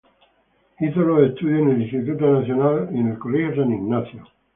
Hizo los estudios en el Instituto Nacional y en el Colegio San Ignacio.